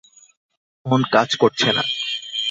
Phone কাজ করছে না।